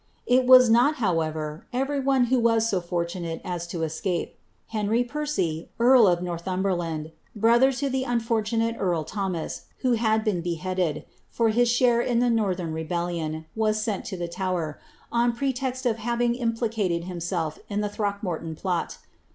It was not, however, ever^ is so fortunate as to escape. Henry I'ercy, earl of Norlhunioeriaiiu, orolher to the unfortuuBle earl Thomas, who had been beheaded, for his share in the northern rebel lion, was sent to the Tower, on pretext of having implicated himself in the Throckmorton plot.